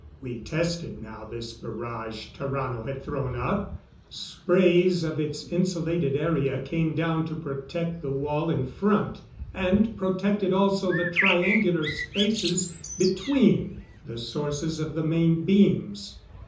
We tested now this barrage Tarrano had thrown up. Sprays of its insulated area came down to protect the wall in front; and protected also the triangular spaces between the sources of the main beams.